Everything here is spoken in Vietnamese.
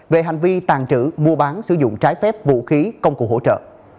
về hành vi tàn trữ mua bán sử dụng trái phép vũ khí công cụ hỗ trợ